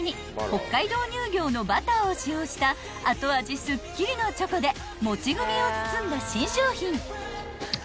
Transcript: ［北海道乳業のバターを使用した後味すっきりのチョコで餅グミを包んだ新商品］